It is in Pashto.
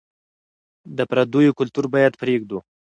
د پرديو کلتور بايد پرېږدو.